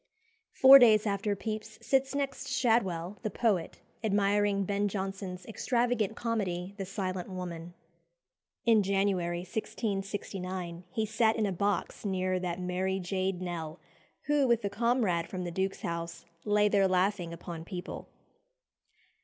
Four days after Pepys sits next Shadwell, the poet, admiring Ben Jonson's extravagant comedy, "The Silent Woman." In January 1669 he sat in a box near "that merry jade Nell," who, with a comrade from the Duke's House, "lay there laughing upon people."